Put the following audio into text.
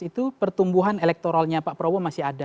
itu pertumbuhan elektoralnya pak prabowo masih ada